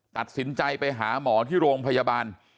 ตัดสินใจไปหาหมอที่โรงพยาบาล